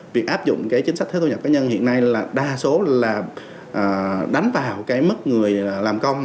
việc áp dụng cái chính sách thuế thu nhập cá nhân hiện nay là đa số là đánh vào cái mức người làm công